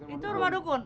itu rumah dukun